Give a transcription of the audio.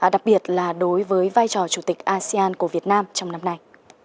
đặc biệt là đối với vai trò chủ tịch asean của việt nam trong năm nay